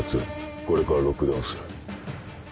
これからロックダウンする。